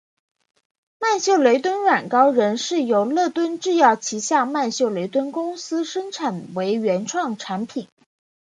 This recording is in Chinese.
曼秀雷敦软膏仍是由乐敦制药旗下曼秀雷敦公司生产的为原创产品。